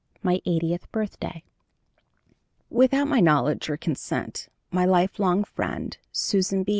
MY EIGHTIETH BIRTHDAY. Without my knowledge or consent, my lifelong friend, Susan B.